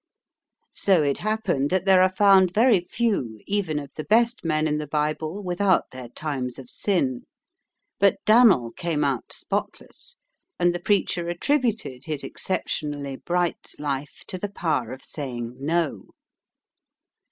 So it happened that there are found very few, even of the best men in the Bible, without their times of sin. But Dan'l came out spotless, and the preacher attributed his exceptionally bright life to the power of saying "No."